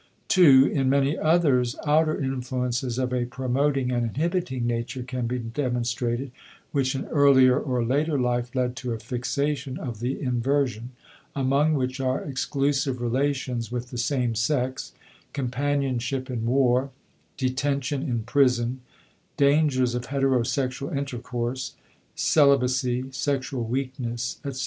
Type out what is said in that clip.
(2) In many others outer influences of a promoting and inhibiting nature can be demonstrated, which in earlier or later life led to a fixation of the inversion among which are exclusive relations with the same sex, companionship in war, detention in prison, dangers of hetero sexual intercourse, celibacy, sexual weakness, etc.